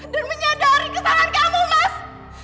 dan menyadari kesalahan kamu mas